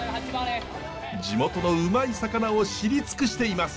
地元のうまい魚を知り尽くしています。